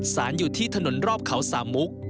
สารอยู่ที่ถนนรอบเขาสามมุก